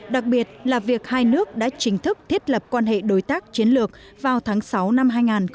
đặc biệt là việc hai nước đã chính thức thiết lập quan hệ đối tác chiến lược vào tháng sáu năm hai nghìn một mươi chín